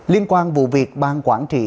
liên quan vụ việc bang quản trị